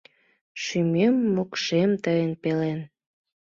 Шӱмем-мокшем — тыйын пелен.